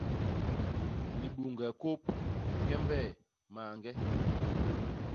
Libuñge kôp, kembe, mañge.